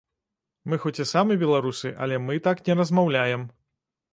Мы хоць і самі беларусы, але мы так не размаўляем.